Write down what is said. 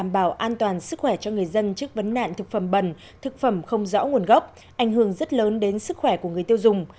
bảo an toàn sức khỏe cho người dân trước vấn nạn thực phẩm bẩn thực phẩm không rõ nguồn gốc ảnh hưởng rất lớn đến sức khỏe của người tiêu dùng